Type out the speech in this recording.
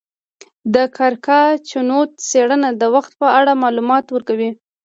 د اریکا چنووت څیړنه د وخت په اړه معلومات ورکوي.